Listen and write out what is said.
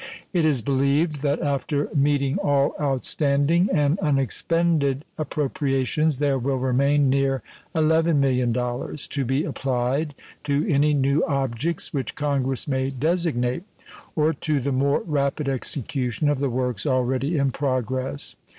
It is believed that after meeting all outstanding and unexpended appropriations there will remain near $11,000,000 to be applied to any new objects which Congress may designate or to the more rapid execution of the works already in progress.